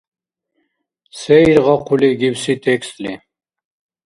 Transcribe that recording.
Се иргъахъули гибси текстли?